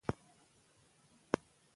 وادي د افغان ماشومانو د زده کړې موضوع ده.